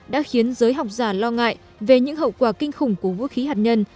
đã khiến giới học giả lo ngại về những hậu quả kinh khủng của vũ khí hạt nhân